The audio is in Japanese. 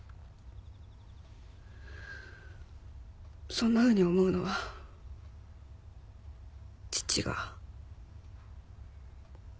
そんなふうに思うのは父が。